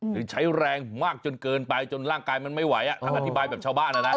หรือใช้แรงมากจนเกินไปจนร่างกายมันไม่ไหวทั้งอธิบายแบบชาวบ้านนะนะ